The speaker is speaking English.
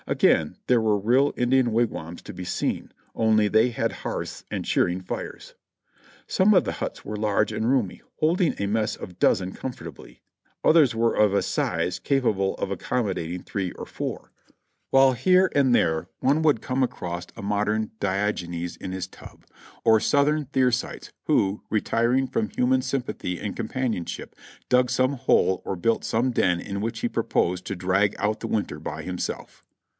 Again there were real Indian wigwams to be seen, only they had hearths and cheering fires. Some of the huts were large and roomy, holding a mess of a dozen comfortably; others were of a size capable of accommo dating three or four, while here and there one would come across 328 JOHNNY REB AND BII,L,Y YANK a modern Diogenes in his tub. or Soiitliern Thersites, who, re tiring from human sympathy and companionship, dug some hole or built some den in which he proposed to drag out the winter by himself.